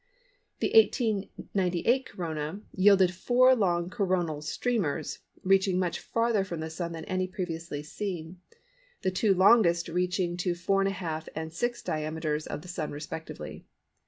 The 1898 Corona yielded four long Coronal streamers reaching much farther from the Sun than any previously seen, the two longest reaching to 4½ and 6 diameters of the Sun respectively.